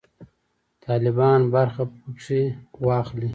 طالبان برخه پکښې واخلي.